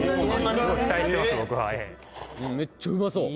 ・めっちゃうまそう・